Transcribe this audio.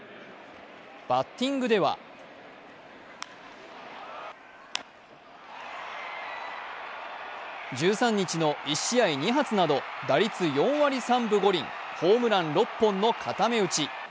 バッティングでは１３日の１試合２発など、打率４割３分５厘ホームラン６本の固め打ち。